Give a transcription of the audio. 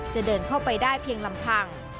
จะเดินเข้าไปได้เพียงลำพัง